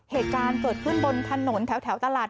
เหตุการณ์เกิดขึ้นบนถนนแถวตลาด